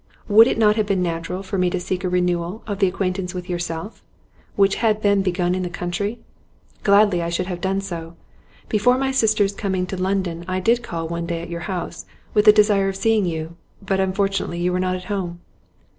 'Would it not have been natural for me to seek a renewal of the acquaintance with yourself which had been begun in the country? Gladly I should have done so. Before my sisters' coming to London I did call one day at your house with the desire of seeing you, but unfortunately you were not at home.